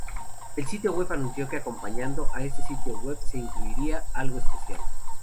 El sitio web anunció que acompañando a este episodio se incluiría "algo especial".